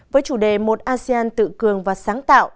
với chủ đề một asean tự cường và sáng tạo